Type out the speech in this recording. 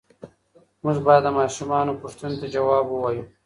موږ باید د ماشومانو پوښتنو ته ځواب ووایو.